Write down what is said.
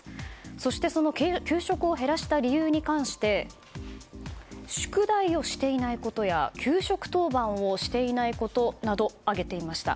そして、その給食を減らした理由に関して宿題をしていないことや給食当番をしていないことなどを挙げていました。